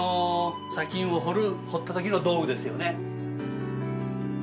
砂金を掘る掘った時の道具ですよね。